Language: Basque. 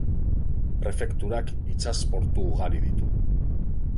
Prefekturak itsas portu ugari ditu.